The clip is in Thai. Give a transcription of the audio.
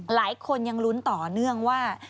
หลายคนยังลุ้นต่อเนื่องว่า